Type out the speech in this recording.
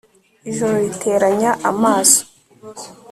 ijoro riteranya amaso